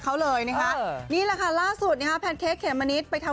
กลับอีกวันนี่ก็คือกธิบธิบชาแย